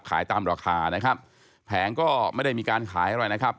ขายตามราคานะครับแผงก็ไม่ได้มีการขายอะไรนะครับ